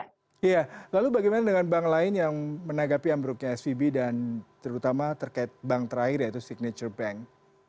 iya lalu bagaimana dengan bank lain yang menanggapi ambruknya svb dan terutama terkait bank terakhir yaitu signature bank